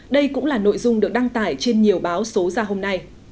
đây cũng là nội dung được đăng tải trên nhiều báo số ra hôm nay